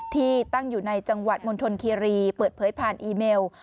ที่ตั้งอยู่ในจังหวัดมณฑลคีรีเปิดเผยผ่านอีเมล